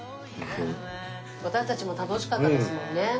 私たちも楽しかったですもんね。